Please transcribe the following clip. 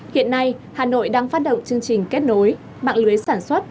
hiện nay hà nội đang phát động chương trình kết nối mạng lưới sản xuất